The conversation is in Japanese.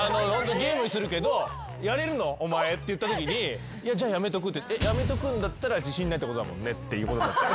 ゲームにするけど「やれるの？お前」って言ったときに「じゃあやめとく」やめとくんだったら自信ないってことだもんねっていう。